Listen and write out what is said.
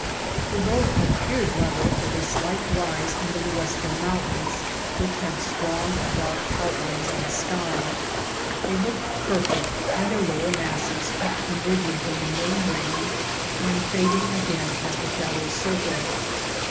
The road appeared level with a slight rise under the western mountains which had strong, dark outlines on the sky. They looked purple and their lower masses kept emerging from the main range and fading again as the shadows circled.